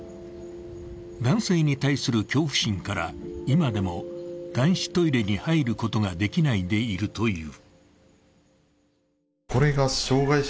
男性に対する恐怖心から今でも男子トイレに入ることができないでいるという。